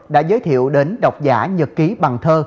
đã giới thiệu đến đọc giả nhật ký bằng thơ